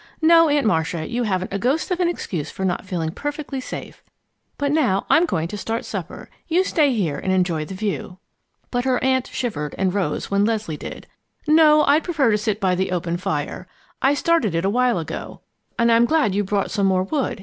No, Aunt Marcia, you haven't a ghost of an excuse for not feeling perfectly safe. But now I'm going in to start supper. You stay here and enjoy the view." But her aunt shivered and rose when Leslie did. "No, I prefer to sit by the open fire. I started it a while ago. And I'm glad you brought some more wood.